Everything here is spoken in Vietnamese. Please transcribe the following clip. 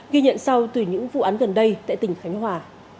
ghi nhận sau từ những vụ án gần đây tại tỉnh khánh hòa